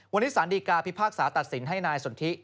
วันนี้สารดีกาพิพากษาตัดสินให้นายสนทิ